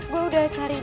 gue udah cari di